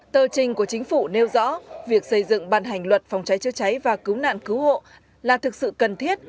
tờ trình của chính phủ nêu rõ việc xây dựng bàn hành luật phòng cháy chữa cháy và cứu nạn cứu hộ là thực sự cần thiết